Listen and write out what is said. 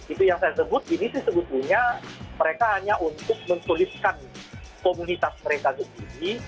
itu yang saya sebut ini sih sebetulnya mereka hanya untuk mentuliskan komunitas mereka sendiri